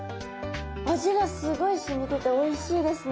味がすごい染みてておいしいですね。